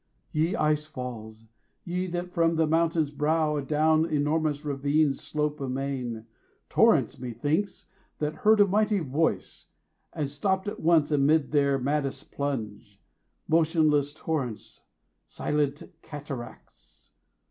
Ye Ice falls! ye that from the mountain's brow Adown enormous ravines slope amain 50 Torrents, methinks, that heard a mighty voice, And stopped at once amid their maddest plunge! Motionless torrents! silent cataracts!